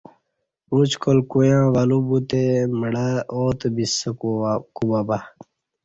پعوچکال کویاں ولو بوتہ مڑہ آتہ بیسہ کوبہ بہ